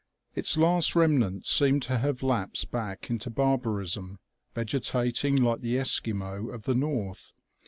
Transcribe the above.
Its last remnants seemed to have lapsed back into barbarism, vegetating like the Esquimaux of the north.